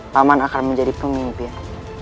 paman akan menjadi pemimpin